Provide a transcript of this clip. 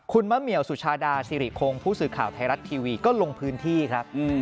คุณมะเหมียวสุชาดาสิริคงผู้สื่อข่าวไทยรัฐทีวีก็ลงพื้นที่ครับ